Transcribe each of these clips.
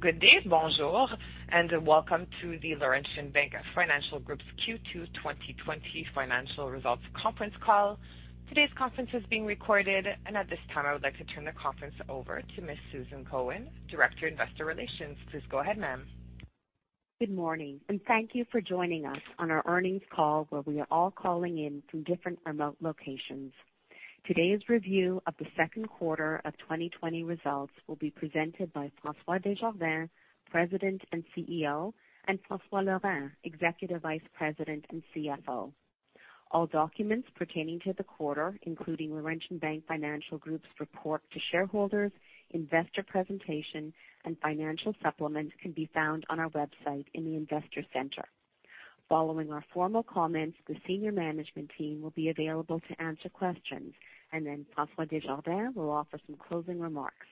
Good day, and welcome to the Laurentian Bank Financial Group's Q2 2020 financial results conference call. Today's conference is being recorded, and at this time, I would like to turn the conference over to Ms. Susan Cohen, Director, Investor Relations. Please go ahead, ma'am. Good morning, and thank you for joining us on our earnings call, where we are all calling in from different remote locations. Today's review of the second quarter of 2020 results will be presented by François Desjardins, President and CEO, and François Laurin, Executive Vice President and CFO. All documents pertaining to the quarter, including Laurentian Bank Financial Group's report to shareholders, investor presentation, and financial supplements can be found on our website in the Investor Center. Following our formal comments, the senior management team will be available to answer questions. Then François Desjardins will offer some closing remarks.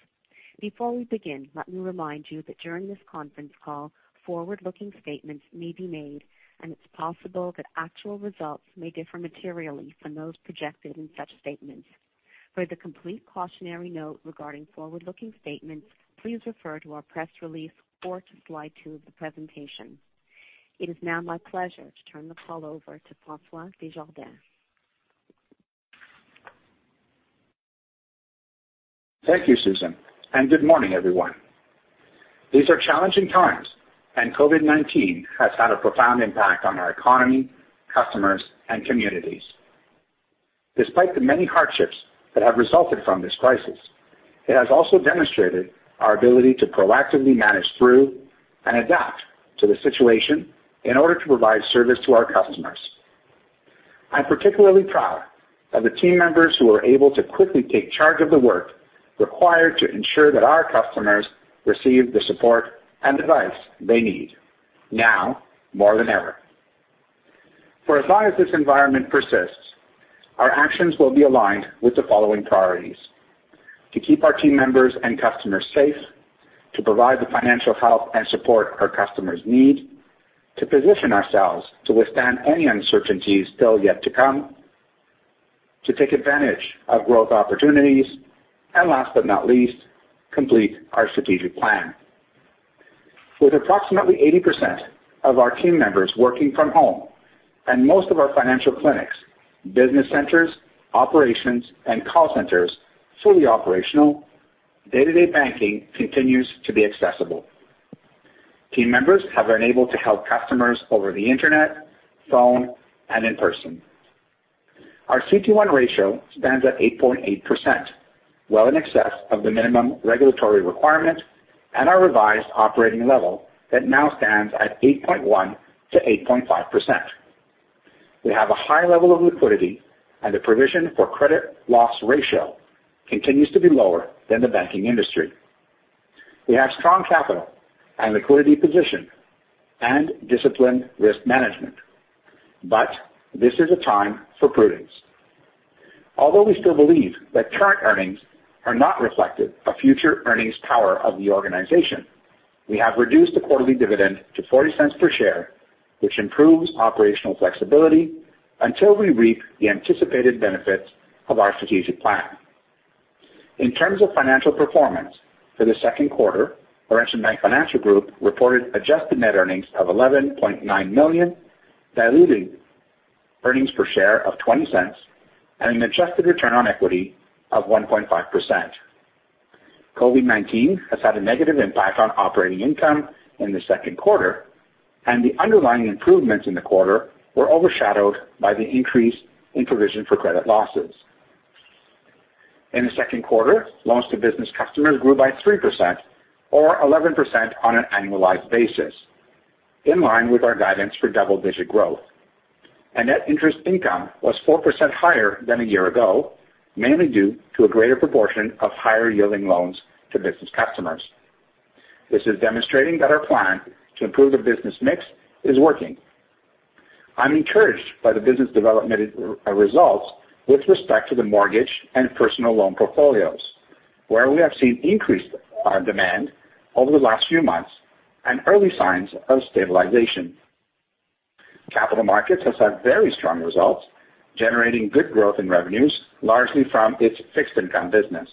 Before we begin, let me remind you that during this conference call, forward-looking statements may be made. It's possible that actual results may differ materially from those projected in such statements. For the complete cautionary note regarding forward-looking statements, please refer to our press release or to slide two of the presentation. It is now my pleasure to turn the call over to François Desjardins. Thank you, Susan, and good morning, everyone. These are challenging times, and COVID-19 has had a profound impact on our economy, customers, and communities. Despite the many hardships that have resulted from this crisis, it has also demonstrated our ability to proactively manage through and adapt to the situation in order to provide service to our customers. I'm particularly proud of the team members who are able to quickly take charge of the work required to ensure that our customers receive the support and advice they need, now more than ever. For as long as this environment persists, our actions will be aligned with the following priorities: to keep our team members and customers safe, to provide the financial help and support our customers need, to position ourselves to withstand any uncertainties still yet to come, to take advantage of growth opportunities, and last but not least, complete our strategic plan. With approximately 80% of our team members working from home, and most of our financial clinics, business centers, operations, and call centers fully operational, day-to-day banking continues to be accessible. Team members have been able to help customers over the internet, phone, and in person. Our CET1 ratio stands at 8.8%, well in excess of the minimum regulatory requirement and our revised operating level that now stands at 8.1%-8.5%. We have a high level of liquidity, and the provision for credit loss ratio continues to be lower than the banking industry. We have strong capital and liquidity position, and disciplined risk management. This is a time for prudence. Although we still believe that current earnings are not reflective of future earnings power of the organization, we have reduced the quarterly dividend to 0.40 per share, which improves operational flexibility until we reap the anticipated benefits of our strategic plan. In terms of financial performance for the second quarter, Laurentian Bank Financial Group reported adjusted net earnings of 11.9 million, diluted earnings per share of 0.20, and an adjusted return on equity of 1.5%. COVID-19 has had a negative impact on operating income in the second quarter, and the underlying improvements in the quarter were overshadowed by the increase in provision for credit losses. In the second quarter, loans-to-business customers grew by 3% or 11% on an annualized basis, in line with our guidance for double-digit growth. Net interest income was 4% higher than a year ago, mainly due to a greater proportion of higher-yielding loans to business customers. This is demonstrating that our plan to improve the business mix is working. I'm encouraged by the business development results with respect to the mortgage and personal loan portfolios, where we have seen increased demand over the last few months and early signs of stabilization. Capital markets has had very strong results, generating good growth in revenues, largely from its fixed income business.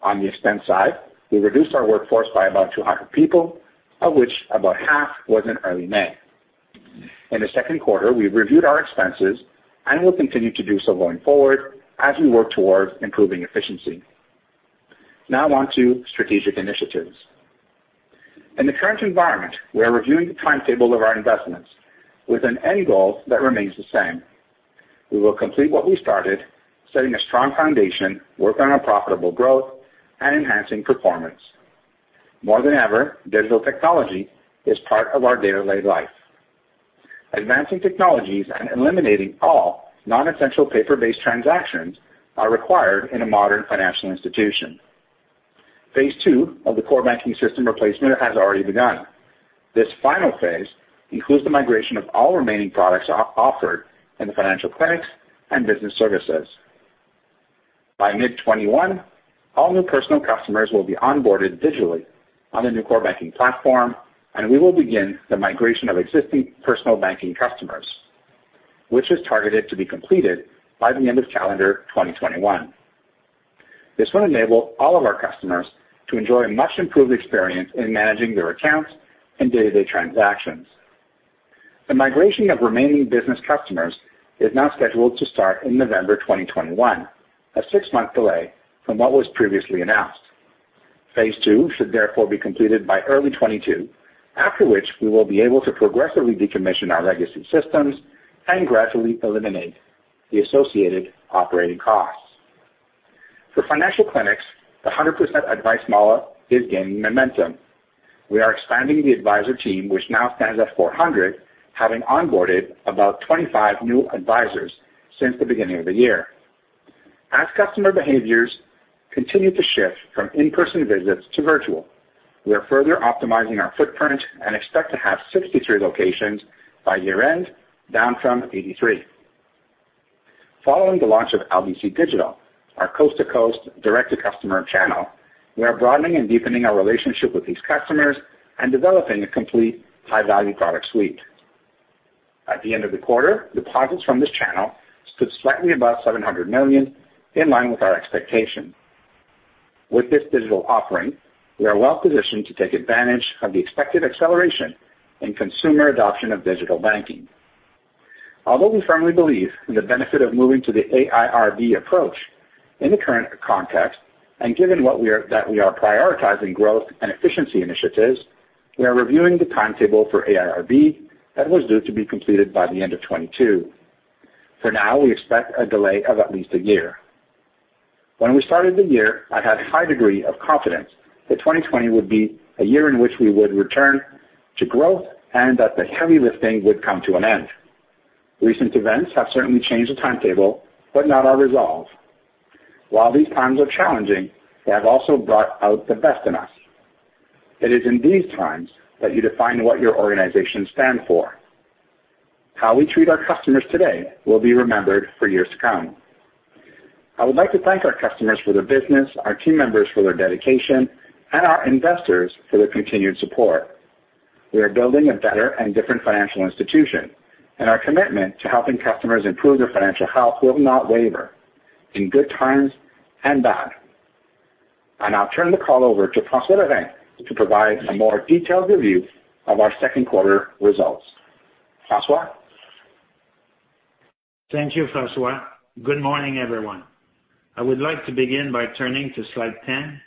On the expense side, we reduced our workforce by about 200 people, of which about half was in early May. In the second quarter, we reviewed our expenses and will continue to do so going forward as we work towards improving efficiency. Now on to strategic initiatives. In the current environment, we are reviewing the timetable of our investments with an end goal that remains the same. We will complete what we started, setting a strong foundation, work on our profitable growth, and enhancing performance. More than ever, digital technology is part of our day-to-day life. Advancing technologies and eliminating all non-essential paper-based transactions are required in a modern financial institution. Phase 2 of the core banking system replacement has already begun. This final phase includes the migration of all remaining products offered in the financial clinics and business services. By mid-2021, all new personal customers will be onboarded digitally on the new core banking platform, and we will begin the migration of existing personal banking customers, which is targeted to be completed by the end of calendar 2021. This will enable all of our customers to enjoy a much improved experience in managing their accounts and day-to-day transactions. The migration of remaining business customers is now scheduled to start in November 2021, a six-month delay from what was previously announced. Phase 2 should therefore be completed by early 2022, after which we will be able to progressively decommission our legacy systems and gradually eliminate the associated operating costs. For financial clinics, the 100% advice model is gaining momentum. We are expanding the advisor team, which now stands at 400, having onboarded about 25 new advisors since the beginning of the year. As customer behaviors continue to shift from in-person visits to virtual, we are further optimizing our footprint and expect to have 63 locations by year-end, down from 83. Following the launch of LBC Digital, our coast-to-coast direct-to-customer channel, we are broadening and deepening our relationship with these customers and developing a complete high-value product suite. At the end of the quarter, deposits from this channel stood slightly above 700 million, in line with our expectation. With this digital offering, we are well positioned to take advantage of the expected acceleration in consumer adoption of digital banking. Although we firmly believe in the benefit of moving to the AIRB approach in the current context, and given that we are prioritizing growth and efficiency initiatives, we are reviewing the timetable for AIRB that was due to be completed by the end of 2022. For now, we expect a delay of at least a year. When we started the year, I had a high degree of confidence that 2020 would be a year in which we would return to growth and that the heavy lifting would come to an end. Recent events have certainly changed the timetable, but not our resolve. While these times are challenging, they have also brought out the best in us. It is in these times that you define what your organization stands for. How we treat our customers today will be remembered for years to come. I would like to thank our customers for their business, our team members for their dedication, and our investors for their continued support. We are building a better and different financial institution, and our commitment to helping customers improve their financial health will not waver, in good times and bad. I now turn the call over to François Laurin to provide a more detailed review of our second quarter results. François? Thank you, François. Good morning, everyone. I would like to begin by turning to slide 10.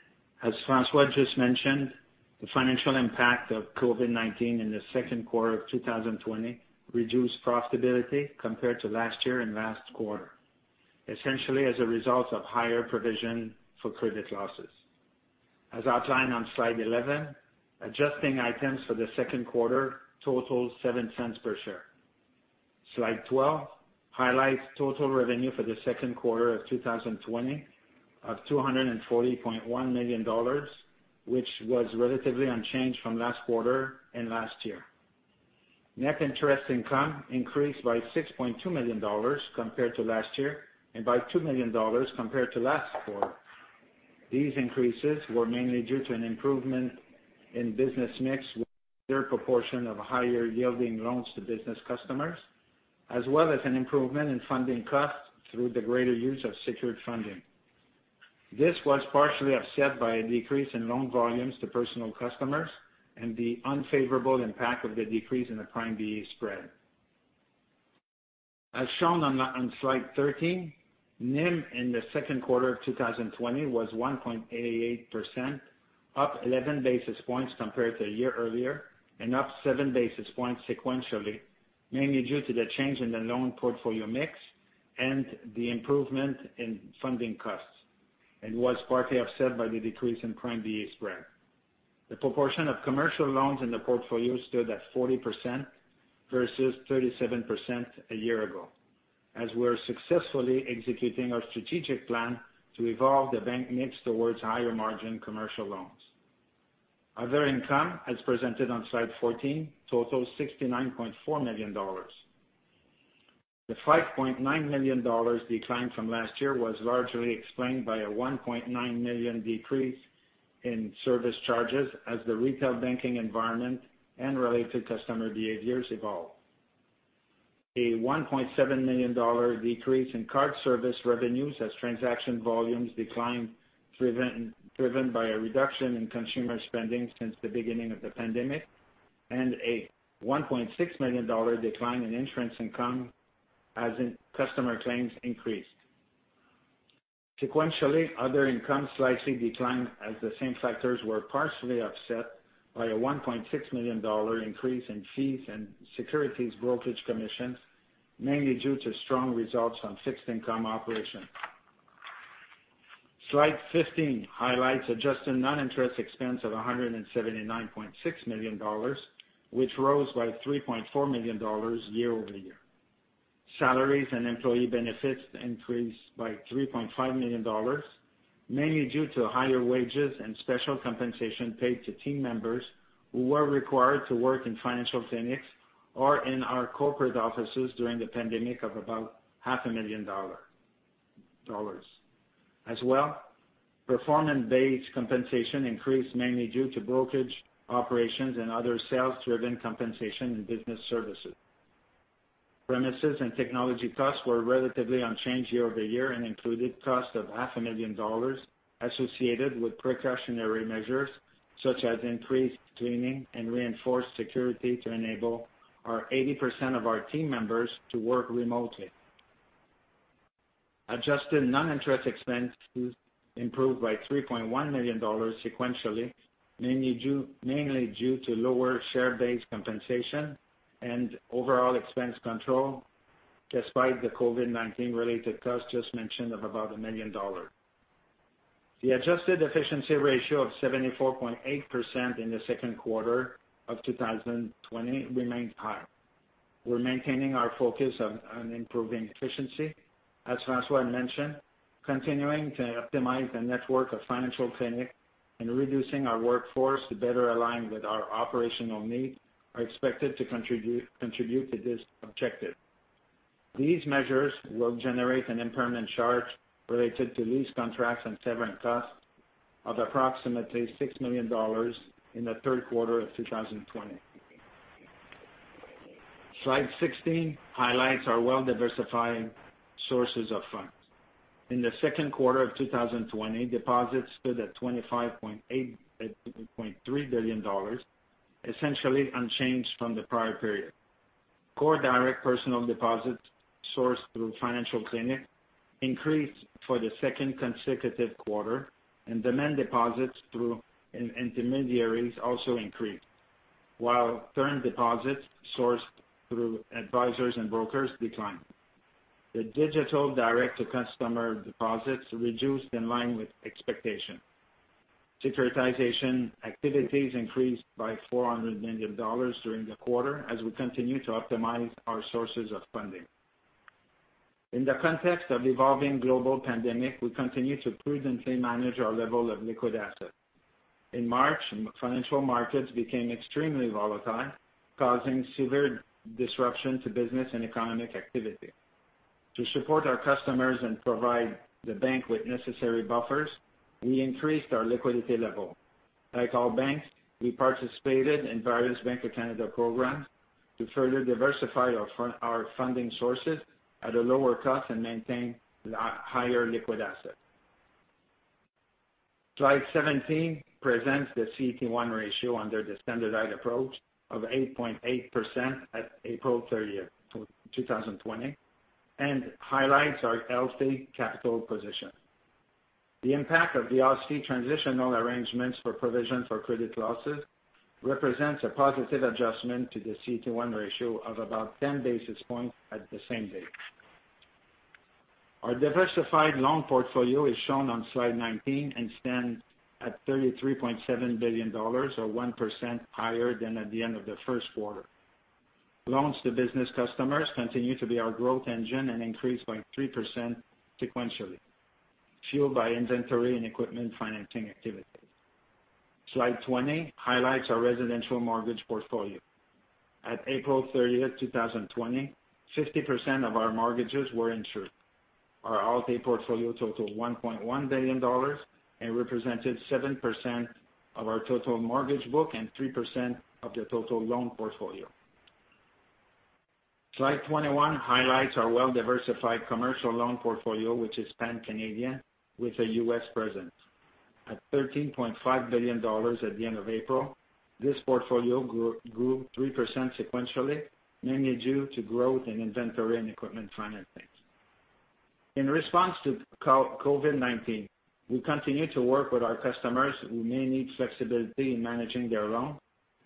As François just mentioned, the financial impact of COVID-19 in the second quarter of 2020 reduced profitability compared to last year and last quarter, essentially as a result of higher provision for credit losses. As outlined on slide 11, adjusting items for the second quarter totaled 0.07 per share. Slide 12 highlights total revenue for the second quarter of 2020 of 240.1 million dollars, which was relatively unchanged from last quarter and last year. Net interest income increased by 6.2 million dollars compared to last year and by 2 million dollars compared to last quarter. These increases were mainly due to an improvement in business mix with a greater proportion of higher yielding loans to business customers, as well as an improvement in funding costs through the greater use of secured funding. This was partially offset by a decrease in loan volumes to personal customers and the unfavorable impact of the decrease in the Prime/BA spread. As shown on slide 13, NIM in the second quarter of 2020 was 1.88%, up 11 basis points compared to a year earlier, and up seven basis points sequentially, mainly due to the change in the loan portfolio mix and the improvement in funding costs, and was partly offset by the decrease in Prime/BA spread. The proportion of commercial loans in the portfolio stood at 40% versus 37% a year ago, as we are successfully executing our strategic plan to evolve the bank mix towards higher margin commercial loans. Other income, as presented on slide 14, totals 69.4 million dollars. The 5.9 million dollars decline from last year was largely explained by a 1.9 million decrease in service charges as the retail banking environment and related customer behaviors evolved. A 1.7 million dollar decrease in card service revenues as transaction volumes declined, driven by a reduction in consumer spending since the beginning of the pandemic, and a 1.6 million dollar decline in insurance income as customer claims increased. Sequentially, other income slightly declined as the same factors were partially offset by a 1.6 million dollar increase in fees and securities brokerage commissions, mainly due to strong results on fixed income operations. Slide 15 highlights adjusted non-interest expense of 179.6 million dollars, which rose by 3.4 million dollars year-over-year. Salaries and employee benefits increased by 3.5 million dollars, mainly due to higher wages and special compensation paid to team members who were required to work in financial clinics or in our corporate offices during the pandemic of about 500,000 dollar. Performance-based compensation increased mainly due to brokerage operations and other sales-driven compensation and business services. Premises and technology costs were relatively unchanged year-over-year and included cost of 500,000 dollars associated with precautionary measures such as increased cleaning and reinforced security to enable 80% of our team members to work remotely. Adjusted non-interest expenses improved by 3.1 million dollars sequentially, mainly due to lower share-based compensation and overall expense control, despite the COVID-19 related costs just mentioned of about 1 million dollars. The adjusted efficiency ratio of 74.8% in the second quarter of 2020 remains high. We're maintaining our focus on improving efficiency. As François mentioned, continuing to optimize the network of financial clinic and reducing our workforce to better align with our operational needs are expected to contribute to this objective. These measures will generate an impairment charge related to lease contracts and severance costs of approximately 6 million dollars in the third quarter of 2020. Slide 16 highlights our well-diversified sources of funds. In the second quarter of 2020, deposits stood at 25.3 billion dollars, essentially unchanged from the prior period. Core direct personal deposits sourced through financial clinic increased for the second consecutive quarter, and demand deposits through intermediaries also increased, while term deposits sourced through advisors and brokers declined. The digital direct-to-customer deposits reduced in line with expectation. Securitization activities increased by 400 million dollars during the quarter as we continue to optimize our sources of funding. In the context of evolving global pandemic, we continue to prudently manage our level of liquid assets. In March, financial markets became extremely volatile, causing severe disruption to business and economic activity. To support our customers and provide the bank with necessary buffers, we increased our liquidity level. Like all banks, we participated in various Bank of Canada programs to further diversify our funding sources at a lower cost and maintain higher liquid assets. Slide 17 presents the CET1 ratio under the standardized approach of 8.8% at April 30th, 2020, and highlights our healthy capital position. The impact of the OSFI transitional arrangements for provision for credit losses represents a positive adjustment to the CET1 ratio of about 10 basis points at the same date. Our diversified loan portfolio is shown on slide 19 and stands at 33.7 billion dollars, or 1% higher than at the end of the first quarter. Loans to business customers continue to be our growth engine and increased by 3% sequentially, fueled by inventory and equipment financing activities. Slide 20 highlights our residential mortgage portfolio. At April 30th, 2020, 50% of our mortgages were insured. Our Alt-A portfolio totaled 1.1 billion dollars and represented 7% of our total mortgage book and 3% of the total loan portfolio. Slide 21 highlights our well-diversified commercial loan portfolio, which is pan-Canadian with a U.S. presence. At 13.5 billion dollars at the end of April, this portfolio grew 3% sequentially, mainly due to growth in inventory and equipment financing. In response to COVID-19, we continue to work with our customers who may need flexibility in managing their loans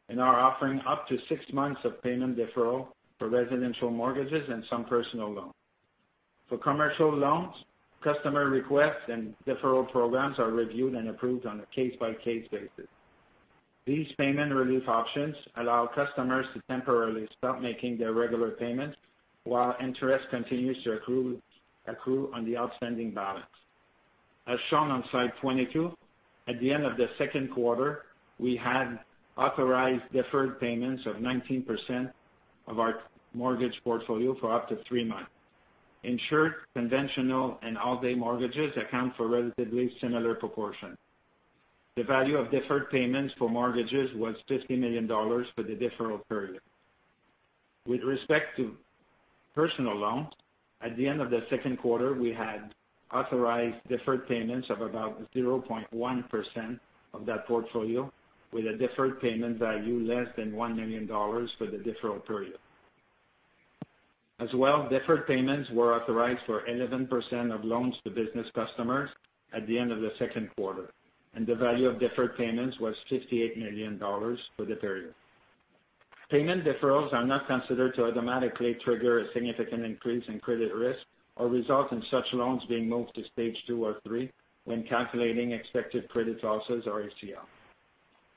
and are offering up to six months of payment deferral for residential mortgages and some personal loans. For commercial loans, customer requests and deferral programs are reviewed and approved on a case-by-case basis. These payment relief options allow customers to temporarily stop making their regular payments while interest continues to accrue on the outstanding balance. As shown on slide 22, at the end of the second quarter, we had authorized deferred payments of 19% of our mortgage portfolio for up to three months. Insured, conventional, and Alt-A mortgages account for relatively similar proportion. The value of deferred payments for mortgages was 50 million dollars for the deferral period. With respect to personal loans, at the end of the second quarter, we had authorized deferred payments of about 0.1% of that portfolio with a deferred payment value less than 1 million dollars for the deferral period. Deferred payments were authorized for 11% of loans to business customers at the end of the second quarter, and the value of deferred payments was 58 million dollars for the period. Payment deferrals are not considered to automatically trigger a significant increase in credit risk or result in such loans being moved to Stage 2 or 3 when calculating expected credit losses or ACL.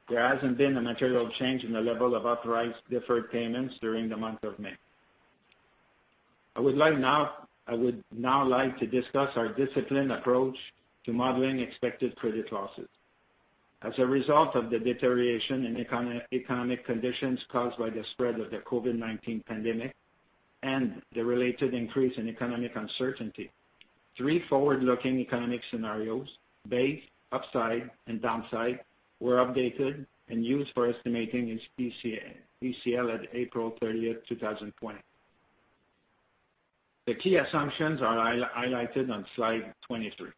There hasn't been a material change in the level of authorized deferred payments during the month of May. I would now like to discuss our disciplined approach to modeling expected credit losses. As a result of the deterioration in economic conditions caused by the spread of the COVID-19 pandemic and the related increase in economic uncertainty, three forward-looking economic scenarios, base, upside, and downside, were updated and used for estimating ECL at April 30th, 2020. The key assumptions are highlighted on slide 23.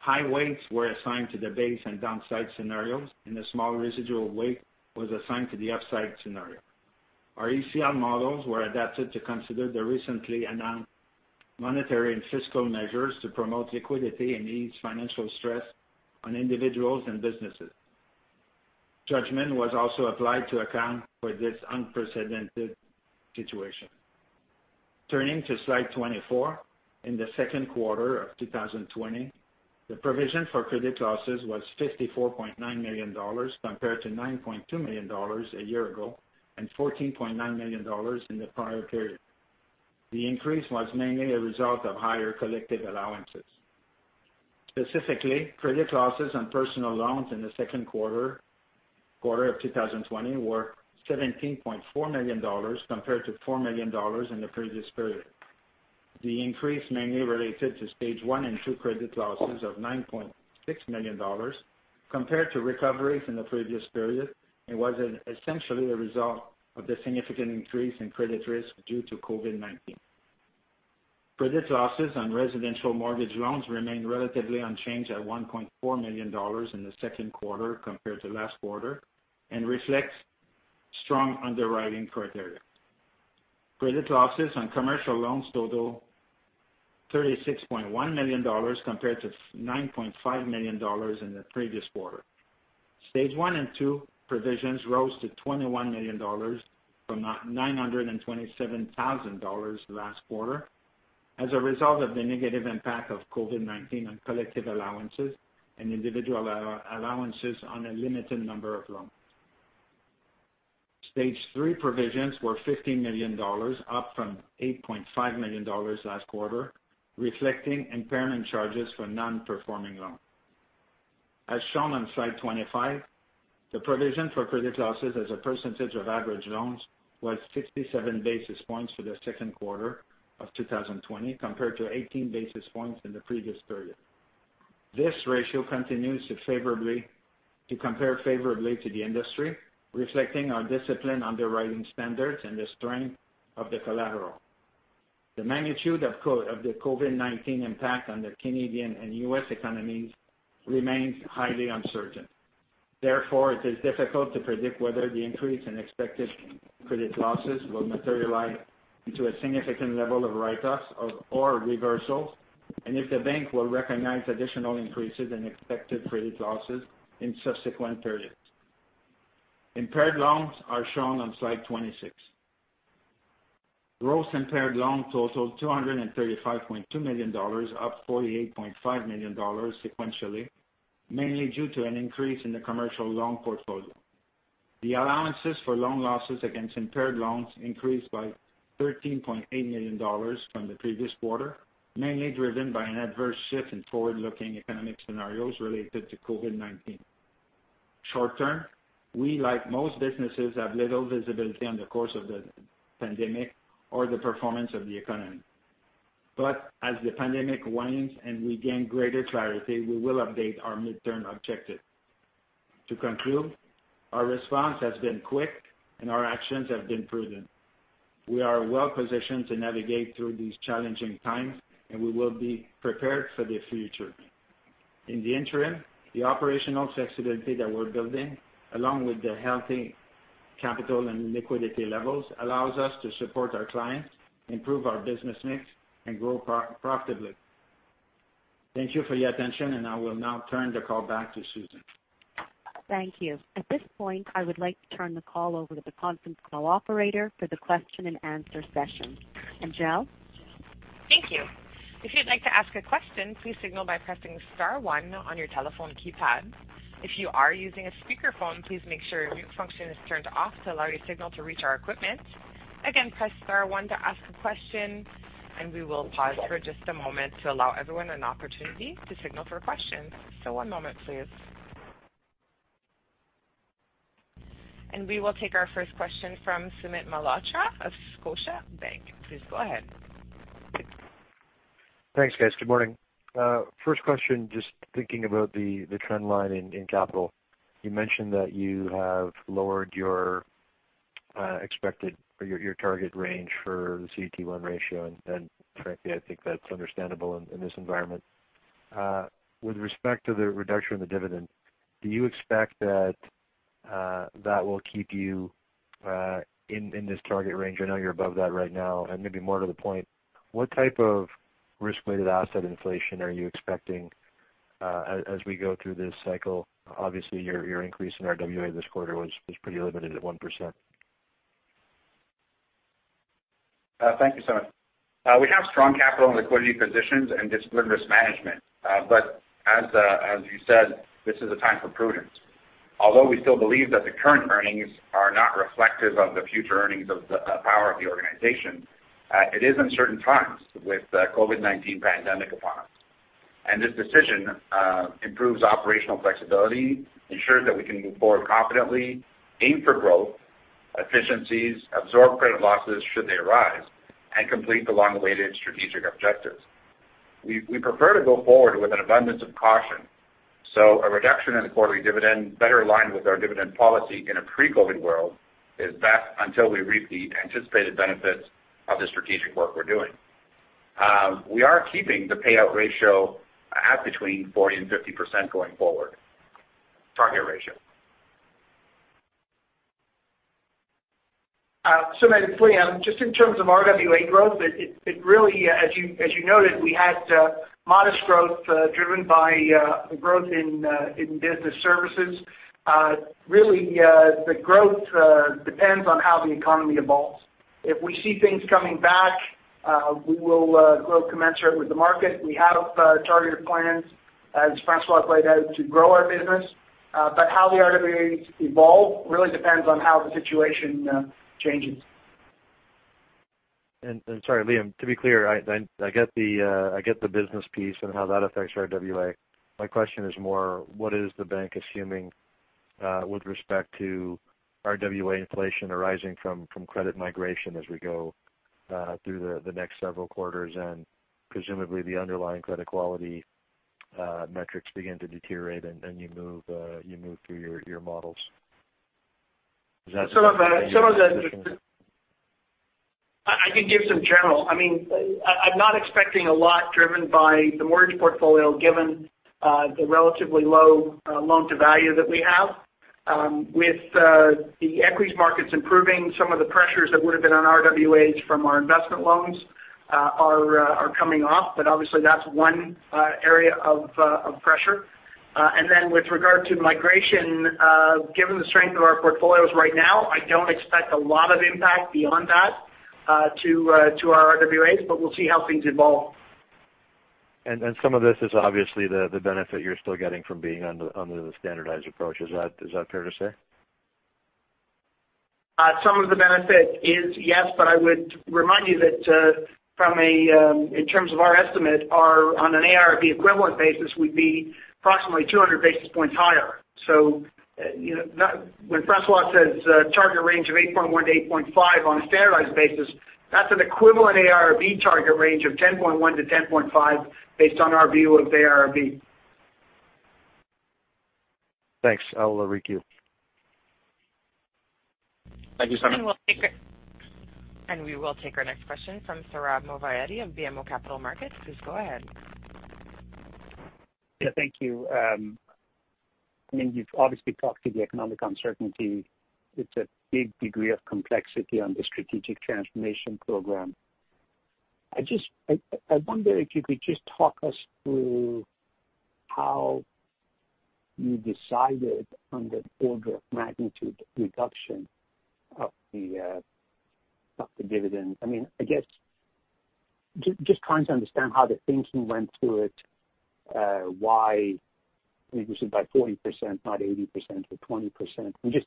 High weights were assigned to the base and downside scenarios, and a small residual weight was assigned to the upside scenario. Our ECL models were adapted to consider the recently announced monetary and fiscal measures to promote liquidity and ease financial stress on individuals and businesses. Judgment was also applied to account for this unprecedented situation. Turning to slide 24, in the second quarter of 2020, the provision for credit losses was 54.9 million dollars compared to 9.2 million dollars a year ago, and 14.9 million dollars in the prior period. The increase was mainly a result of higher collective allowances. Specifically, credit losses on personal loans in the second quarter of 2020 were 17.4 million dollars compared to four million dollars in the previous period. The increase mainly related to Stage 1 and 2 credit losses of 9.6 million dollars compared to recoveries in the previous period and was essentially the result of the significant increase in credit risk due to COVID-19. Credit losses on residential mortgage loans remained relatively unchanged at 1.4 million dollars in the second quarter compared to last quarter, and reflects strong underwriting criteria. Credit losses on commercial loans total 36.1 million dollars compared to 9.5 million dollars in the previous quarter. Stage 1 and 2 provisions rose to 21 million dollars from 927,000 dollars last quarter as a result of the negative impact of COVID-19 on collective allowances and individual allowances on a limited number of loans. Stage 3 provisions were 15 million dollars, up from 8.5 million dollars last quarter, reflecting impairment charges for non-performing loans. As shown on slide 25, the provision for credit losses as a percentage of average loans was 67 basis points for the second quarter of 2020 compared to 18 basis points in the previous period. This ratio continues to compare favorably to the industry, reflecting our disciplined underwriting standards and the strength of the collateral. The magnitude of the COVID-19 impact on the Canadian and U.S. economies remains highly uncertain. It is difficult to predict whether the increase in expected credit losses will materialize into a significant level of write-offs or reversals, and if the bank will recognize additional increases in expected credit losses in subsequent periods. Impaired loans are shown on slide 26. Gross impaired loans totaled CAD 235.2 million, up CAD 48.5 million sequentially, mainly due to an increase in the commercial loan portfolio. The allowances for loan losses against impaired loans increased by 13.8 million dollars from the previous quarter, mainly driven by an adverse shift in forward-looking economic scenarios related to COVID-19. Short term, we, like most businesses, have little visibility on the course of the pandemic or the performance of the economy. As the pandemic wanes and we gain greater clarity, we will update our midterm objective. To conclude, our response has been quick, and our actions have been prudent. We are well positioned to navigate through these challenging times, and we will be prepared for the future. In the interim, the operational flexibility that we're building, along with the healthy capital and liquidity levels, allows us to support our clients, improve our business mix, and grow profitably. Thank you for your attention. I will now turn the call back to Susan. Thank you. At this point, I would like to turn the call over to the conference call operator for the question and answer session. Angelle? Thank you. If you'd like to ask a question, please signal by pressing star one on your telephone keypad. If you are using a speakerphone, please make sure your mute function is turned off to allow your signal to reach our equipment. Again, press star one to ask a question, we will pause for just a moment to allow everyone an opportunity to signal for questions. One moment, please. We will take our first question from Sumit Malhotra of Scotiabank. Please go ahead. Thanks, guys. Good morning. First question, just thinking about the trend line in capital. You mentioned that you have lowered your target range for the CET1 ratio, frankly, I think that's understandable in this environment. With respect to the reduction in the dividend, do you expect that, that will keep you in this target range? I know you're above that right now. Maybe more to the point, what type of risk-weighted asset inflation are you expecting as we go through this cycle? Obviously, your increase in RWA this quarter was pretty limited at 1%. Thank you, Sumit. We have strong capital and liquidity positions and disciplined risk management. As you said, this is a time for prudence. Although we still believe that the current earnings are not reflective of the future earnings of the power of the organization, it is uncertain times with the COVID-19 pandemic upon us. This decision improves operational flexibility, ensures that we can move forward confidently, aim for growth, efficiencies, absorb credit losses should they arise, and complete the long-awaited strategic objectives. We prefer to go forward with an abundance of caution. A reduction in the quarterly dividend better aligned with our dividend policy in a pre-COVID world is best until we reap the anticipated benefits of the strategic work we're doing. We are keeping the payout ratio at between 40% and 50% going forward. Target ratio. Just in terms of RWA growth, it really, as you noted, we had modest growth driven by the growth in business services. Really, the growth depends on how the economy evolves. If we see things coming back, we will grow commensurate with the market. We have targeted plans, as François laid out, to grow our business. How the RWAs evolve really depends on how the situation changes. Sorry, Liam, to be clear, I get the business piece and how that affects RWA. My question is more, what is the bank assuming with respect to RWA inflation arising from credit migration as we go through the next several quarters, and presumably the underlying credit quality metrics begin to deteriorate, and you move through your models? Is that? I'm not expecting a lot driven by the mortgage portfolio, given the relatively low loan to value that we have. With the equities markets improving, some of the pressures that would've been on RWAs from our investment loans are coming off. Obviously, that's one area of pressure. With regard to migration, given the strength of our portfolios right now, I don't expect a lot of impact beyond that to our RWAs, but we'll see how things evolve. Some of this is obviously the benefit you're still getting from being under the standardized approach. Is that fair to say? Some of the benefit is, yes. I would remind you that in terms of our estimate, on an AIRB equivalent basis, we'd be approximately 200 basis points higher. When François says target range of 8.1%-8.5% on a standardized basis, that's an equivalent AIRB target range of 10.1%-10.5% based on our view of AIRB. Thanks. I'll re-queue. Thank you, sir. We will take our next question from Sohrab Movahedi of BMO Capital Markets. Please go ahead. Thank you. You've obviously talked to the economic uncertainty. It's a big degree of complexity on the Strategic Transformation Program. I wonder if you could just talk us through how you decided on the order of magnitude reduction of the dividend. I guess, just trying to understand how the thinking went through it, why it was by 40%, not 80% or 20%.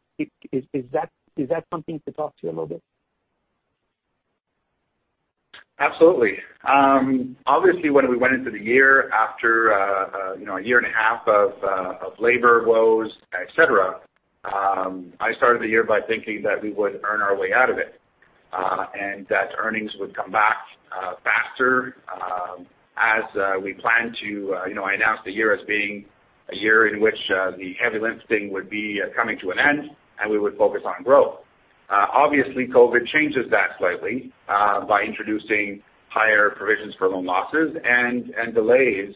Is that something to talk to a little bit? Absolutely. Obviously, when we went into the year after a year and a half of labor woes, et cetera, I started the year by thinking that we would earn our way out of it. That earnings would come back faster as we plan to. I announced the year as being a year in which the heavy lifting would be coming to an end, and we would focus on growth. Obviously, COVID changes that slightly by introducing higher provisions for loan losses and delays,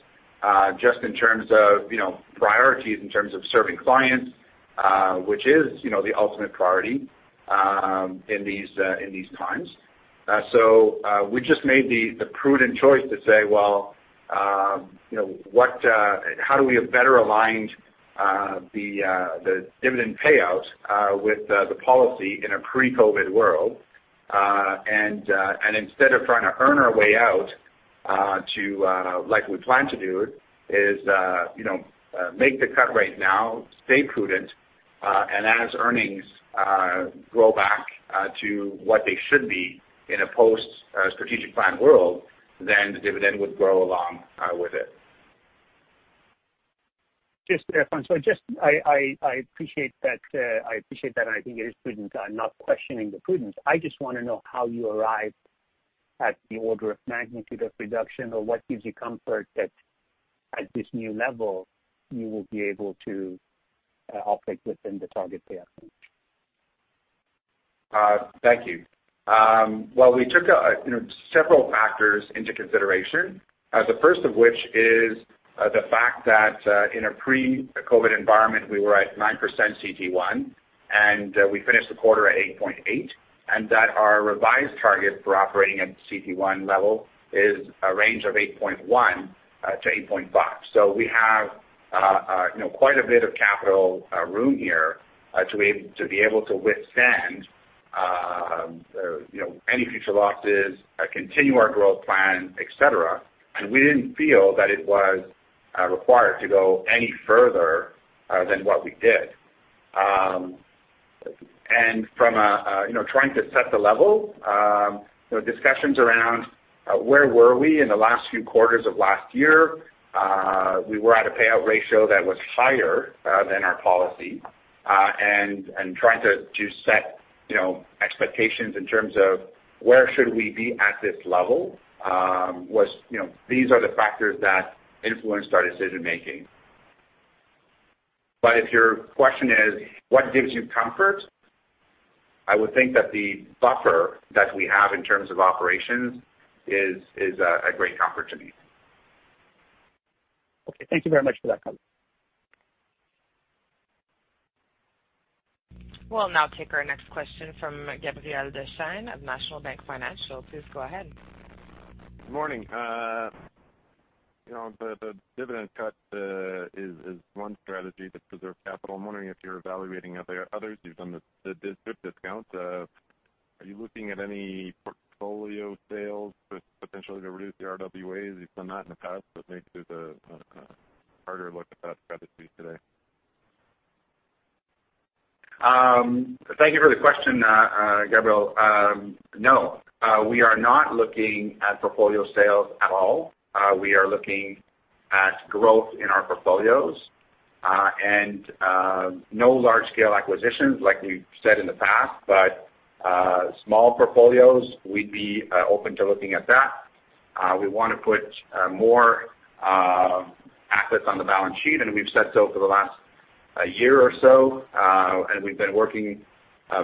just in terms of priorities, in terms of serving clients, which is the ultimate priority in these times. We just made the prudent choice to say, well, how do we have better aligned the dividend payout with the policy in a pre-COVID world? Instead of trying to earn our way out like we planned to do is make the cut right now, stay prudent, and as earnings grow back to what they should be in a post-strategic plan world, then the dividend would grow along with it. Just, François, I appreciate that, and I think it is prudent. I'm not questioning the prudence. I just want to know how you arrived at the order of magnitude of reduction, or what gives you comfort that at this new level you will be able to operate within the target payout range. Thank you. We took several factors into consideration. The first of which is the fact that in a pre-COVID-19 environment, we were at 9% CET1, and we finished the quarter at 8.8%, and that our revised target for operating at CET1 level is a range of 8.1%-8.5%. We have quite a bit of capital room here to be able to withstand any future losses, continue our growth plan, et cetera. We didn't feel that it was required to go any further than what we did. From trying to set the level, discussions around where were we in the last few quarters of last year, we were at a payout ratio that was higher than our policy. Trying to set expectations in terms of where should we be at this level. These are the factors that influenced our decision-making. If your question is what gives you comfort, I would think that the buffer that we have in terms of operations is a great comfort to me. Okay. Thank you very much for that comment. We'll now take our next question from Gabriel Dechaine of National Bank Financial. Please go ahead. Good morning. The dividend cut is one strategy to preserve capital. I'm wondering if you're evaluating others. You've done the DRIP discount. Are you looking at any portfolio sales potentially to reduce the RWAs? Maybe there's a harder look at that strategy today. Thank you for the question, Gabriel. No, we are not looking at portfolio sales at all. We are looking at growth in our portfolios. No large scale acquisitions, like we've said in the past, but small portfolios, we'd be open to looking at that. We want to put more assets on the balance sheet, and we've said so for the last year or so, and we've been working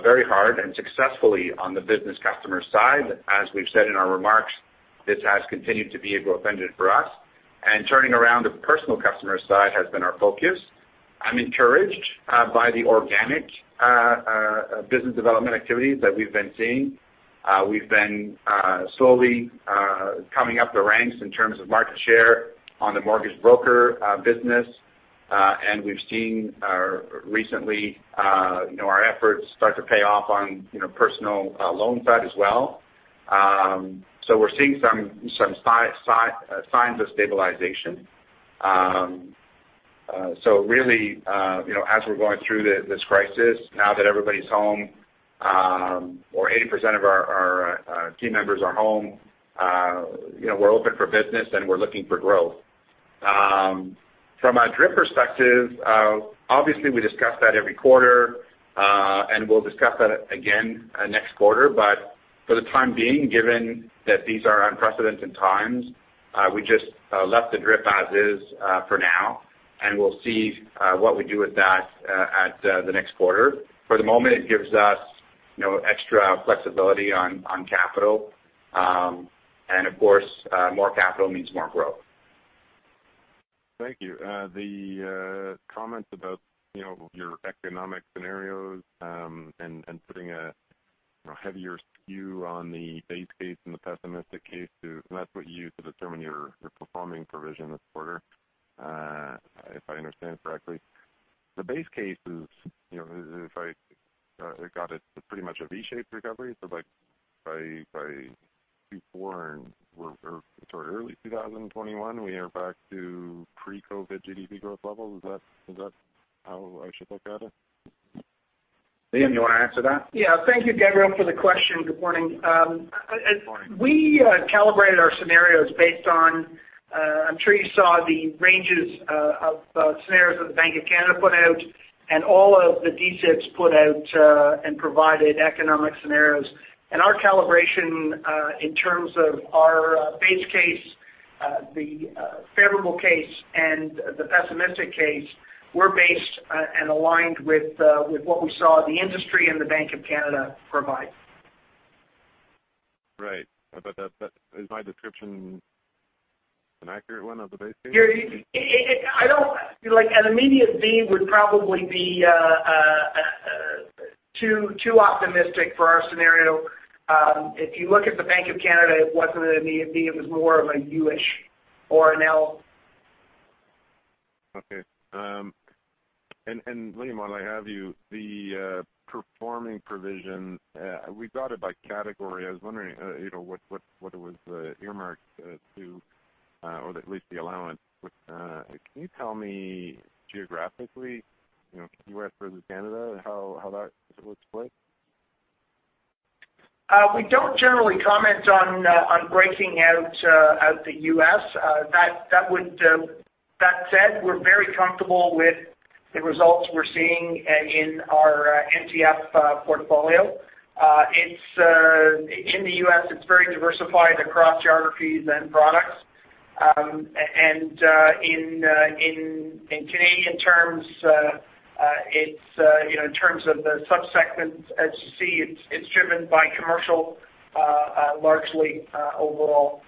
very hard and successfully on the business customer side. As we've said in our remarks, this has continued to be a growth engine for us, and turning around the personal customer side has been our focus. I'm encouraged by the organic business development activities that we've been seeing. We've been slowly coming up the ranks in terms of market share on the mortgage broker business. We've seen recently our efforts start to pay off on personal loan side as well. We're seeing some signs of stabilization. Really as we're going through this crisis, now that everybody's home, or 80% of our team members are home, we're open for business and we're looking for growth. From a DRIP perspective, obviously we discuss that every quarter, and we'll discuss that again next quarter. For the time being, given that these are unprecedented times, we just left the DRIP as is for now, and we'll see what we do with that at the next quarter. For the moment, it gives us extra flexibility on capital. Of course, more capital means more growth. Thank you. The comments about your economic scenarios, putting a heavier skew on the base case and the pessimistic case too, that's what you use to determine your performing provision this quarter, if I understand correctly. The base case is, if I got it's pretty much a V-shaped recovery. By Q4 or toward early 2021, we are back to pre-COVID GDP growth level. Is that how I should look at it? Liam, do you want to answer that? Yeah. Thank you, Gabriel, for the question. Good morning. Morning. We calibrated our scenarios based on, I'm sure you saw the ranges of scenarios that the Bank of Canada put out, and all of the D-SIBs put out and provided economic scenarios. Our calibration in terms of our base case, the favorable case, and the pessimistic case, were based and aligned with what we saw the industry and the Bank of Canada provide. Right. Is my description an accurate one of the base case? An immediate V would probably be too optimistic for our scenario. If you look at the Bank of Canada, it wasn't an immediate V, it was more of a U-ish or an L. Okay. Liam, while I have you, the performing provision we thought of by category. I was wondering what it was earmarked to or at least the allowance? Can you tell me geographically, U.S. versus Canada, how that looks like? We don't generally comment on breaking out the U.S. That said, we're very comfortable with the results we're seeing in our NCF portfolio. In the U.S., it's very diversified across geographies and products. In Canadian terms in terms of the subsegments, as you see, it's driven by commercial largely overall.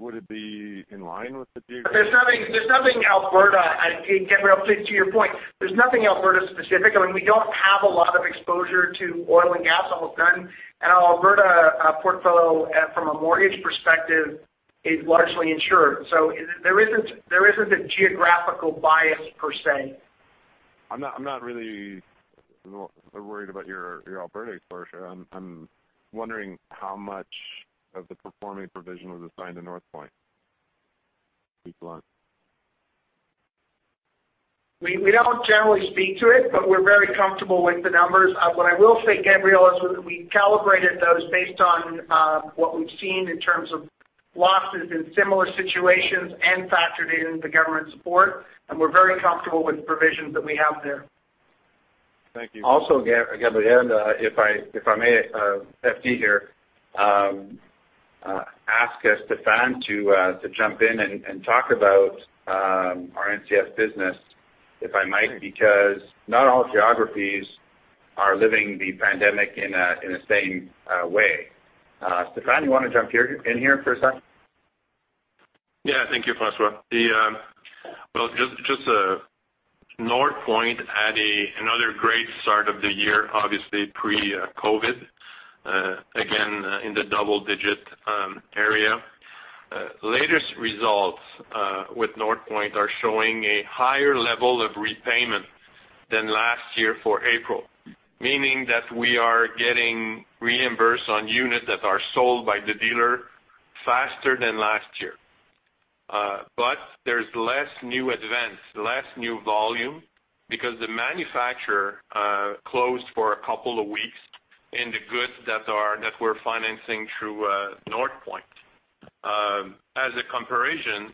Would it be in line with the D-SIBS? There's nothing Alberta. Gabriel, to your point, there's nothing Alberta specific. We don't have a lot of exposure to oil and gas, almost none. Our Alberta portfolio from a mortgage perspective is largely insured. There isn't a geographical bias per se. I'm not really worried about your Alberta exposure. I'm wondering how much of the performing provision was assigned to Northpoint. To be blunt. We don't generally speak to it, but we're very comfortable with the numbers. What I will say, Gabriel, is we calibrated those based on what we've seen in terms of losses in similar situations and factored in the government support, and we're very comfortable with the provisions that we have there. Thank you. Gabriel, if I may, FD here, ask Stephane to jump in and talk about our NCF business, if I might, because not all geographies are living the pandemic in the same way. Stephane, you want to jump in here for a sec? Yeah. Thank you, François. Just Northpoint had another great start of the year, obviously pre-COVID, again, in the double-digit area. Latest results with Northpoint are showing a higher level of repayment than last year for April, meaning that we are getting reimbursed on units that are sold by the dealer faster than last year. There's less new advance, less new volume because the manufacturer closed for a couple of weeks, and the goods that we're financing through Northpoint. As a comparison,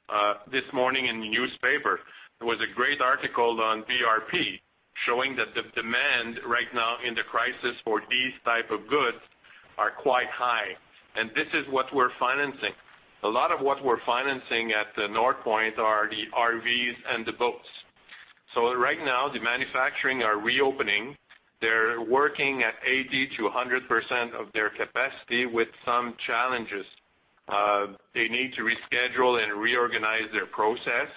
this morning in the newspaper, there was a great article on BRP showing that the demand right now in the crisis for these type of goods are quite high, and this is what we're financing. A lot of what we're financing at Northpoint are the RVs and the boats. Right now, the manufacturing are reopening. They're working at 80%-100% of their capacity with some challenges. They need to reschedule and reorganize their process.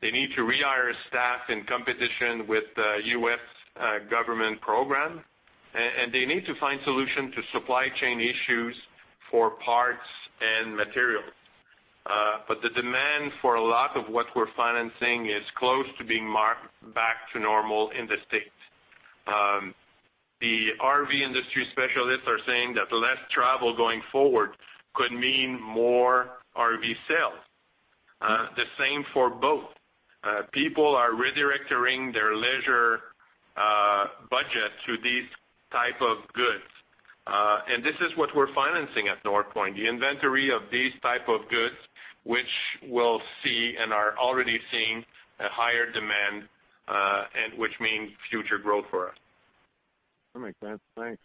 They need to rehire staff in competition with the U.S. government program, and they need to find solution to supply chain issues for parts and materials. The demand for a lot of what we're financing is close to being back to normal in the States. The RV industry specialists are saying that less travel going forward could mean more RV sales. The same for boat. People are redirecting their leisure budget to these type of goods. This is what we're financing at Northpoint, the inventory of these type of goods, which we'll see and are already seeing a higher demand, and which means future growth for us. That makes sense. Thanks.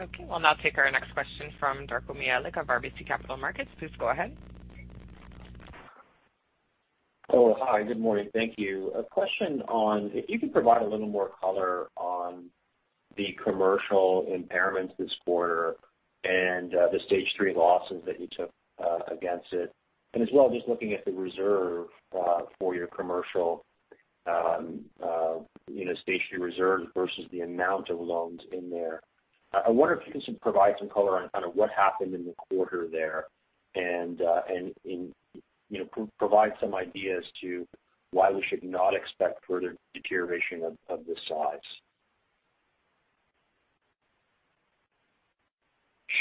Okay, we'll now take our next question from Darko Mihelic of RBC Capital Markets. Please go ahead. Oh, hi. Good morning. Thank you. A question on if you can provide a little more color on the commercial impairments this quarter and the Stage 3 losses that you took against it. Looking at the reserve for your commercial Stage 3 reserve versus the amount of loans in there, I wonder if you can provide some color on what happened in the quarter there and provide some idea as to why we should not expect further deterioration of this size.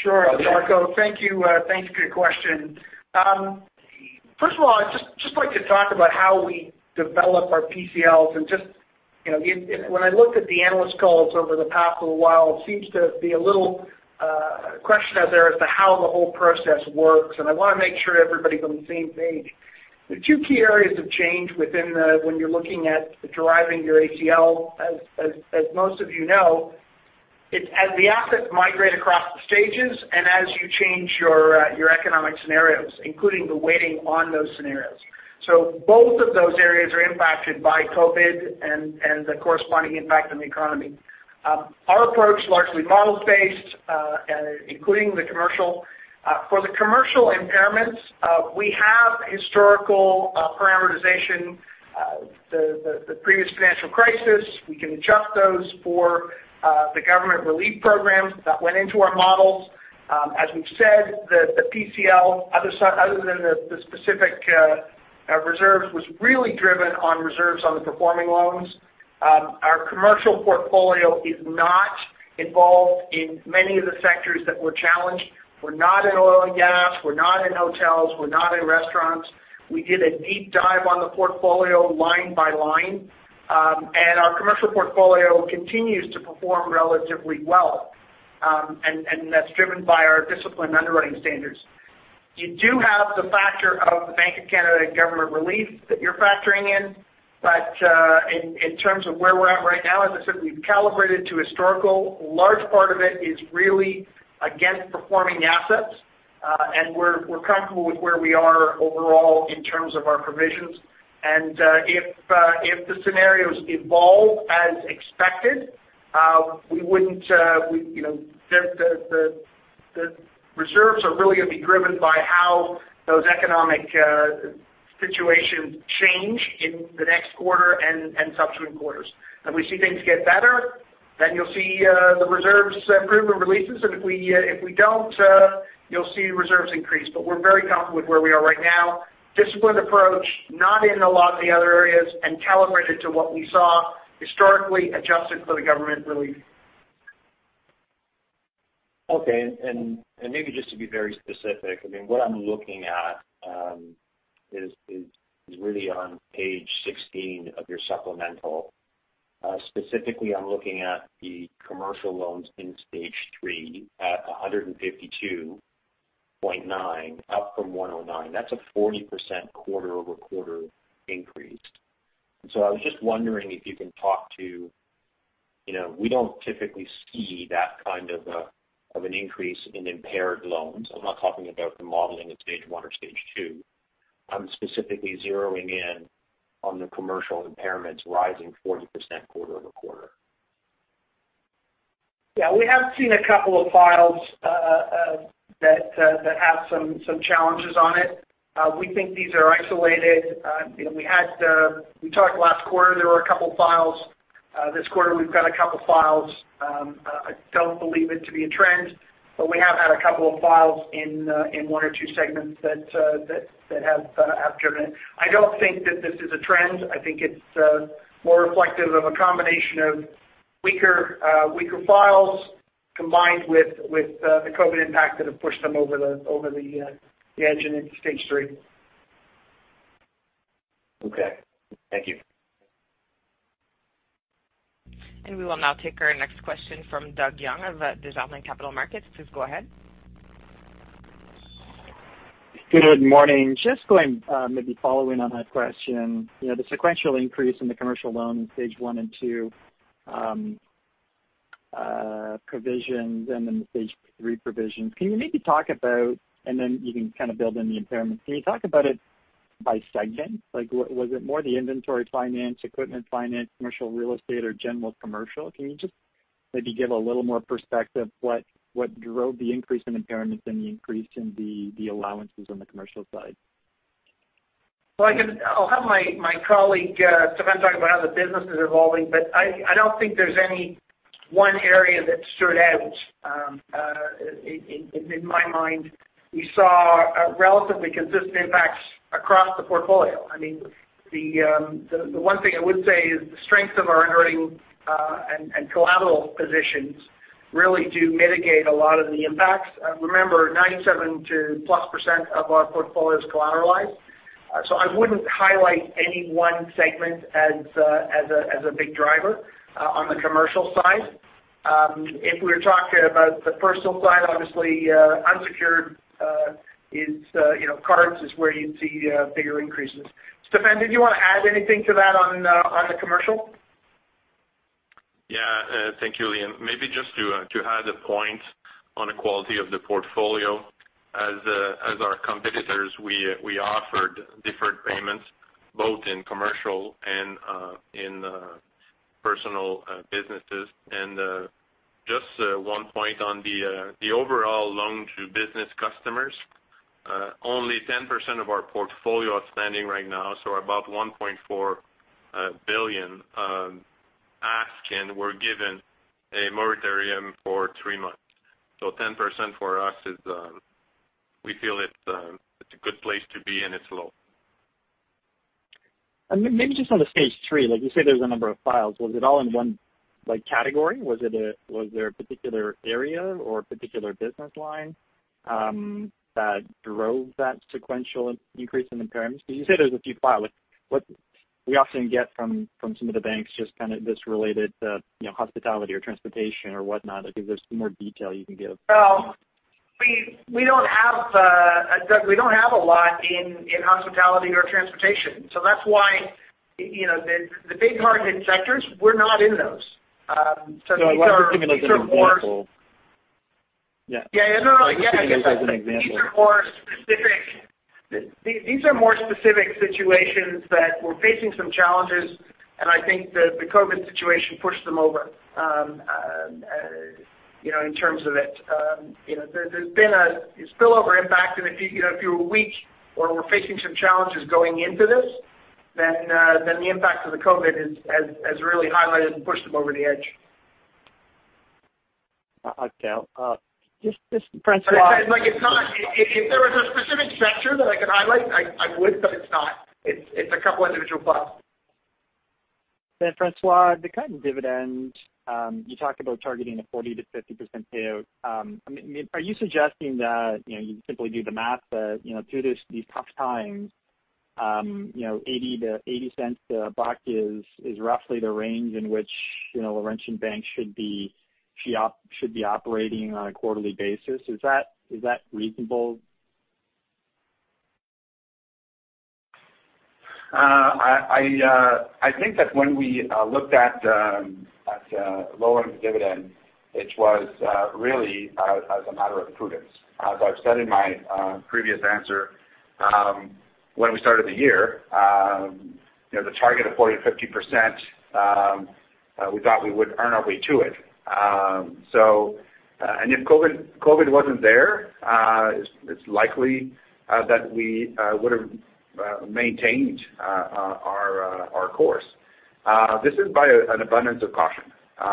Sure. Darko, thank you. Thanks for your question. First of all, I'd just like to talk about how we develop our PCLs. When I looked at the analyst calls over the past little while, it seems to be a little question out there as to how the whole process works, and I want to make sure everybody's on the same page. The two key areas of change when you're looking at driving your PCL, as most of you know, it's as the assets migrate across the stages and as you change your economic scenarios, including the weighting on those scenarios. Both of those areas are impacted by COVID and the corresponding impact on the economy. Our approach, largely models based including the commercial. For the commercial impairments, we have historical parameterization, the previous financial crisis. We can adjust those for the government relief programs that went into our models. As we've said, the PCL, other than the specific reserves, was really driven on reserves on the performing loans. Our commercial portfolio is not involved in many of the sectors that we're challenged. We're not in oil and gas. We're not in hotels. We're not in restaurants. We did a deep dive on the portfolio line by line. Our commercial portfolio continues to perform relatively well, and that's driven by our disciplined underwriting standards. You do have the factor of the Bank of Canada and government relief that you're factoring in. In terms of where we're at right now, as I said, we've calibrated to historical. A large part of it is really against performing assets, and we're comfortable with where we are overall in terms of our provisions. If the scenarios evolve as expected, the reserves are really going to be driven by how those economic situation change in the next quarter and subsequent quarters. If we see things get better, you'll see the reserves improve and releases. If we don't, you'll see reserves increase. We're very comfortable with where we are right now. Disciplined approach, not in a lot of the other areas, and calibrated to what we saw historically, adjusted for the government relief. Okay. Maybe just to be very specific, what I'm looking at is really on page 16 of your supplemental. Specifically, I'm looking at the commercial loans in Stage 3 at 152.9 million, up from 109 million. That's a 40% quarter-over-quarter increase. I was just wondering if you can talk to, we don't typically see that kind of an increase in impaired loans. I'm not talking about the modeling of Stage 1 or Stage 2. I'm specifically zeroing in on the commercial impairments rising 40% quarter-over-quarter. Yeah. We have seen a couple of files that have some challenges on it. We think these are isolated. We talked last quarter, there were a couple files. This quarter, we've got a couple files. I don't believe it to be a trend, but we have had a couple of files in one or two segments that have driven it. I don't think that this is a trend. I think it's more reflective of a combination of weaker files combined with the COVID impact that have pushed them over the edge and into Stage 3. Okay. Thank you. We will now take our next question from Doug Young of Desjardins Capital Markets. Please go ahead. Good morning. Maybe following on that question. The sequential increase in the commercial loans Stage 1 and 2 provisions and then the Stage 3 provisions. Can you maybe talk about, and then you can kind of build in the impairment. Can you talk about it by segment? Was it more the inventory finance, equipment finance, commercial real estate, or general commercial? Can you just maybe give a little more perspective what drove the increase in impairments and the increase in the allowances on the commercial side? I'll have my colleague Stephane talk about how the business is evolving, but I don't think there's any one area that stood out in my mind. We saw a relatively consistent impact across the portfolio. The one thing I would say is the strength of our earning and collateral positions really do mitigate a lot of the impacts. Remember, 97%+ of our portfolio is collateralized. I wouldn't highlight any one segment as a big driver on the commercial side. If we were talking about the personal side, obviously unsecured is cards is where you'd see bigger increases. Stephane, did you want to add anything to that on the commercial? Thank you, Liam. Maybe just to add a point on the quality of the portfolio. As our competitors, we offered deferred payments both in commercial and in personal businesses. Just one point on the overall loan to business customers. Only 10% of our portfolio outstanding right now, so about 1.4 billion, asked and were given a moratorium for three months. 10% for us is, we feel it's a good place to be, and it's low. Maybe just on the Stage 3, you say there's a number of files. Was it all in one category? Was there a particular area or a particular business line that drove that sequential increase in impairments? Because you say there's a few files. We often get from some of the banks just kind of this related to hospitality or transportation or whatnot. If there's more detail you can give. Well, Doug, we don't have a lot in hospitality or transportation. That's why, the big hard-hit sectors, we're not in those. These are more. No, I wasn't thinking of those specifically. Yeah. Yeah, no. Just thinking as an example. These are more specific situations that were facing some challenges. I think that the COVID situation pushed them over in terms of it. There's been a spillover impact. If you're weak or were facing some challenges going into this, the impact of the COVID has really highlighted and pushed them over the edge. Okay. Just François. If there was a specific sector that I could highlight, I would, but it's not. It's a couple individual files. François, the cut in dividends, you talked about targeting a 40%-50% payout. Are you suggesting that you simply do the math that through these tough times 0.80 to a buck is roughly the range in which Laurentian Bank should be operating on a quarterly basis? Is that reasonable? I think that when we looked at lowering the dividend, it was really as a matter of prudence. I've said in my previous answer, when we started the year The target of 40%-50%, we thought we would earn our way to it. If COVID wasn't there, it's likely that we would've maintained our course. This is by an abundance of caution. As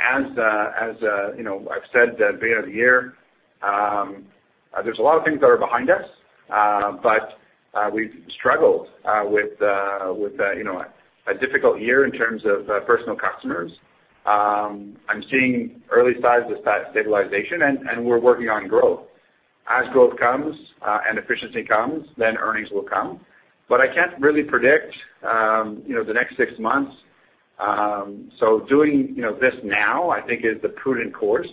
I've said at the beginning of the year, there's a lot of things that are behind us, but we've struggled with a difficult year in terms of personal customers. I'm seeing early signs of that stabilization, and we're working on growth. As growth comes and efficiency comes, then earnings will come. I can't really predict the next six months. Doing this now, I think, is the prudent course.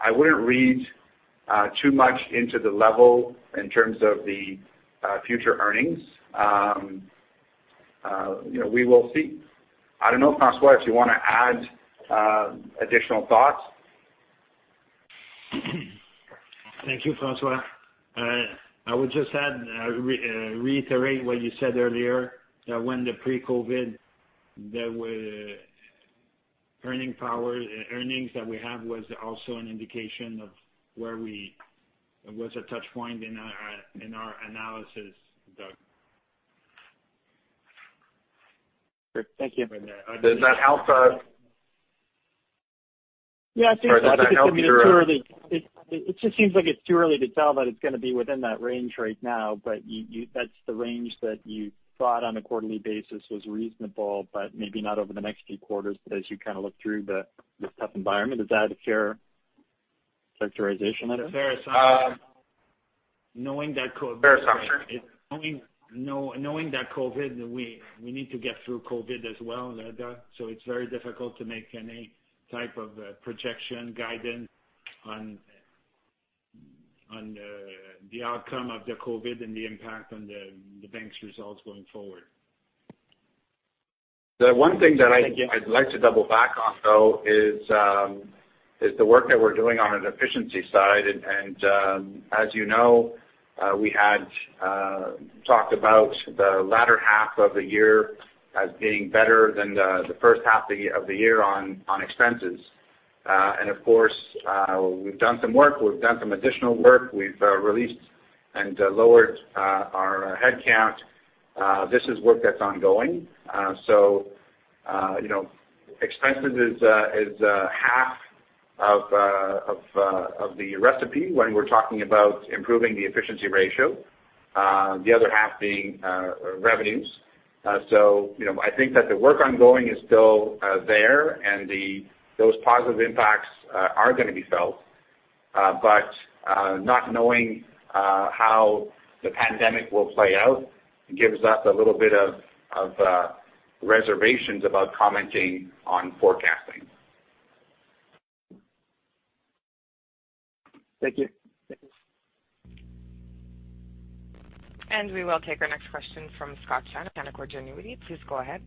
I wouldn't read too much into the level in terms of the future earnings. We will see. I don't know, François, if you want to add additional thoughts. Thank you, Francois. I would just reiterate what you said earlier, when the pre-COVID, the earnings that we have was also an indication. It was a touch point in our analysis, Doug. Great. Thank you. Does that help? Yeah. Sorry. Does that help, Doug? It just seems like it's too early to tell that it's going to be within that range right now, but that's the range that you thought on a quarterly basis was reasonable, but maybe not over the next few quarters. As you kind of look through the tough environment, is that a fair characterization of it? A fair assumption. Knowing that COVID, we need to get through COVID as well, Doug. It's very difficult to make any type of projection guidance on the outcome of the COVID and the impact on the bank's results going forward. The one thing that I'd like to double back on though is the work that we're doing on an efficiency side. As you know, we had talked about the latter half of the year as being better than the first half of the year on expenses. Of course, we've done some work. We've done some additional work. We've released and lowered our headcount. This is work that's ongoing. Expenses is half of the recipe when we're talking about improving the efficiency ratio, the other half being revenues. I think that the work ongoing is still there, and those positive impacts are going to be felt. Not knowing how the pandemic will play out gives us a little bit of reservations about commenting on forecasting. Thank you. We will take our next question from Scott Chan of Canaccord Genuity. Please go ahead.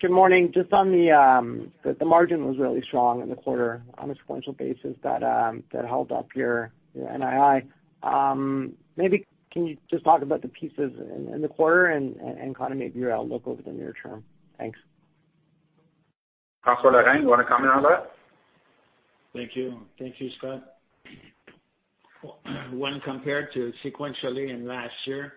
Good morning. Just on the margin was really strong in the quarter on a sequential basis that held up your NII. Maybe can you just talk about the pieces in the quarter and kind of maybe your outlook over the near term? Thanks. François Laurin, you want to comment on that? Thank you. Thank you, Scott. When compared to sequentially and last year,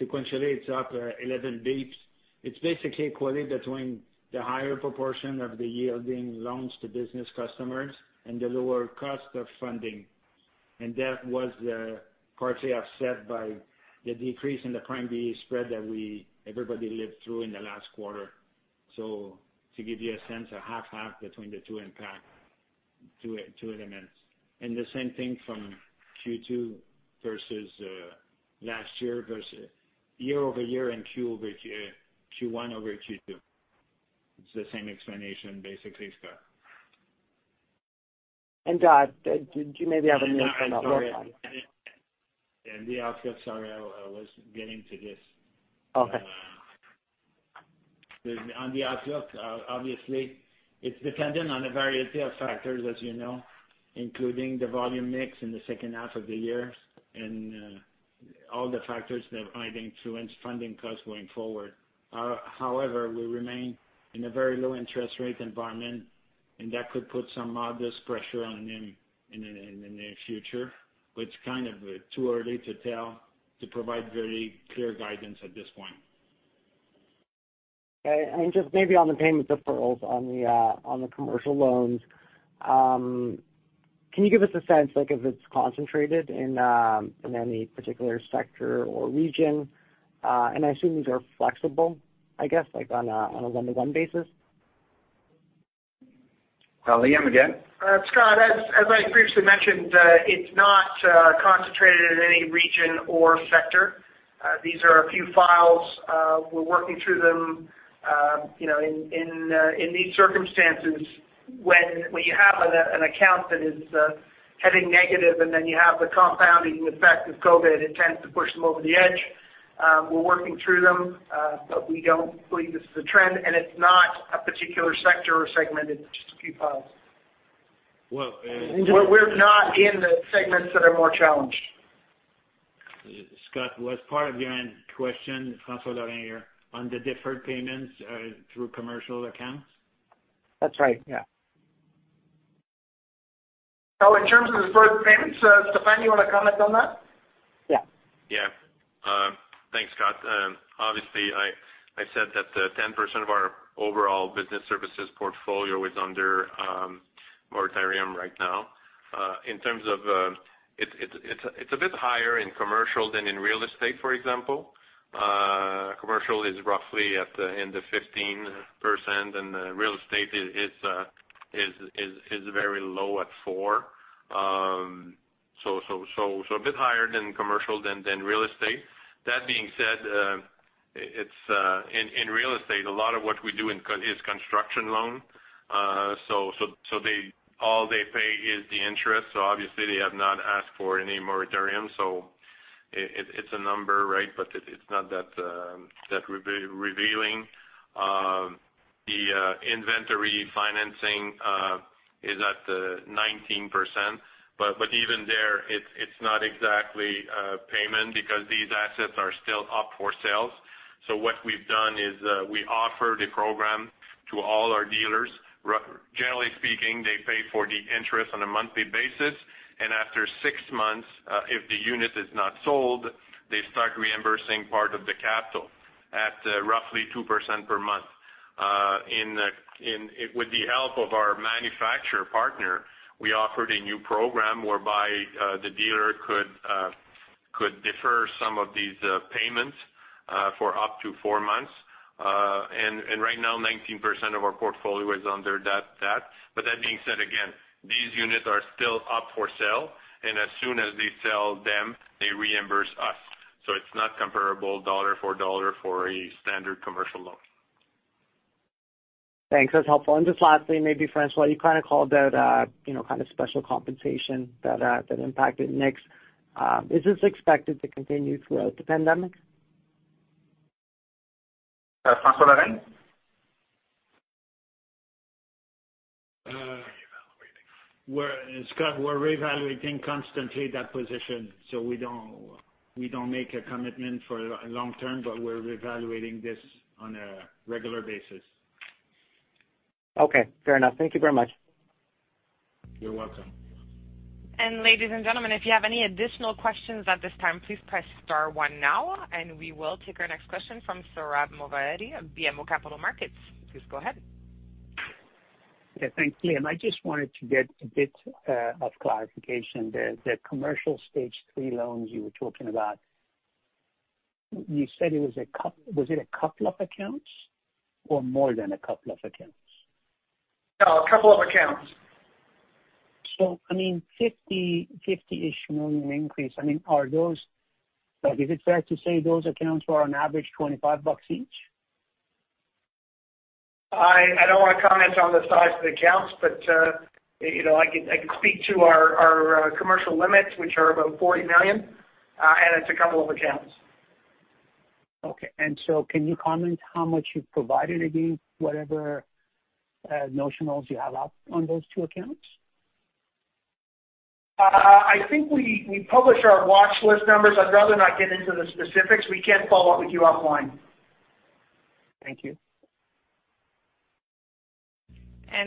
sequentially it's up 11 basis points. It's basically equally between the higher proportion of the yield in loans-to-business customers and the lower cost of funding. That was partially offset by the decrease in the Prime/BA spread that everybody lived through in the last quarter. To give you a sense, a half-half between the two impact, two elements. The same thing from Q2 versus last year versus year-over-year and Q1 over Q2. It's the same explanation basically, Scott. The outlook, did you maybe have an opinion on that as well? The outlook, sorry, I was getting to this. Okay. On the outlook, obviously it's dependent on a variety of factors, as you know, including the volume mix in the second half of the year and all the factors that might influence funding costs going forward. However, we remain in a very low interest rate environment, and that could put some modest pressure in the near future, but it's kind of too early to tell to provide very clear guidance at this point. Okay. Just maybe on the payment deferrals on the commercial loans, can you give us a sense like if it's concentrated in any particular sector or region? I assume these are flexible, I guess like on a one-to-one basis? Liam, again. Scott, as I previously mentioned, it's not concentrated in any region or sector. These are a few files. We're working through them. In these circumstances when you have an account that is heading negative and then you have the compounding effect of COVID, it tends to push them over the edge. We're working through them, but we don't believe this is a trend, and it's not a particular sector or segmented, just a few files. Well- We're not in the segments that are more challenged. Scott, was part of your question, François Laurin here, on the deferred payments through commercial accounts? That's right, yeah. In terms of deferred payments, Stephane, you want to comment on that? Yeah. Thanks, Scott. Obviously, I said that 10% of our overall business services portfolio is under moratorium right now. It's a bit higher in commercial than in real estate, for example. Commercial is roughly in the 15%, and real estate is very low at 4%. A bit higher in commercial than real estate. That being said, in real estate, a lot of what we do is construction loans so all they pay is the interest, so obviously they have not asked for any moratorium. It's a number, but it's not that revealing. The inventory financing is at 19%, but even there, it's not exactly a payment because these assets are still up for sale. What we've done is we offer the program to all our dealers. Generally speaking, they pay for the interest on a monthly basis, and after six months, if the unit is not sold, they start reimbursing part of the capital at roughly 2% per month. With the help of our manufacturer partner, we offered a new program whereby the dealer could defer some of these payments for up to four months. Right now, 19% of our portfolio is under that. That being said, again, these units are still up for sale, and as soon as they sell them, they reimburse us. It's not comparable dollar for dollar for a standard commercial loan. Thanks. That's helpful. Just lastly, maybe François, you kind of called out special compensation that impacted NIE. Is this expected to continue throughout the pandemic? François Laurin. Scott, we're reevaluating constantly that position. We don't make a commitment for the long term, but we're reevaluating this on a regular basis. Okay, fair enough. Thank you very much. You're welcome. Ladies and gentlemen, if you have any additional questions at this time, please press star one now, and we will take our next question from Sohrab Movahedi of BMO Capital Markets. Please go ahead. Yeah, thanks. Liam, I just wanted to get a bit of clarification. The commercial Stage 3 loans you were talking about, you said it was a couple. Was it a couple of accounts or more than a couple of accounts? No, a couple of accounts. 50 million increase. Is it fair to say those accounts were on average 25 million bucks each? I don't want to comment on the size of the accounts, but I can speak to our commercial limits, which are about 40 million, and it's a couple of accounts. Okay. Can you comment how much you've provided against whatever notionals you have out on those two accounts? I think we publish our watch list numbers. I'd rather not get into the specifics. We can follow up with you offline. Thank you.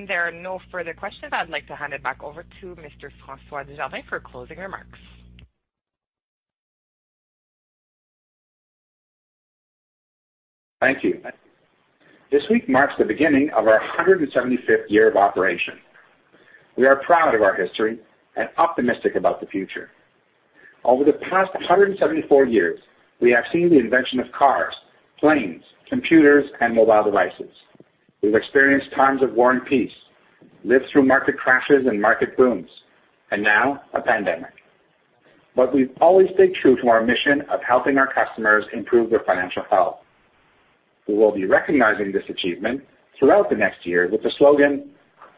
There are no further questions. I'd like to hand it back over to Mr. François Desjardins for closing remarks. Thank you. This week marks the beginning of our 175th year of operation. We are proud of our history and optimistic about the future. Over the past 174 years, we have seen the invention of cars, planes, computers, and mobile devices. We've experienced times of war and peace, lived through market crashes and market booms, and now a pandemic. We've always stayed true to our mission of helping our customers improve their financial health. We will be recognizing this achievement throughout the next year with the slogan,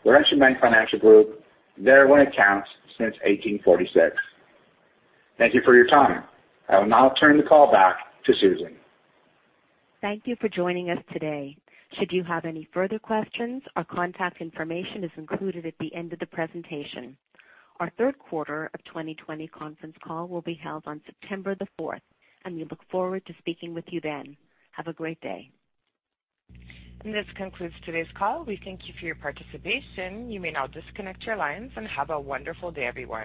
Laurentian Bank Financial Group, there when it counts, since 1846. Thank you for your time. I will now turn the call back to Susan. Thank you for joining us today. Should you have any further questions, our contact information is included at the end of the presentation. Our third quarter of 2020 conference call will be held on September the 4th, and we look forward to speaking with you then. Have a great day. This concludes today's call. We thank you for your participation. You may now disconnect your lines, and have a wonderful day, everyone.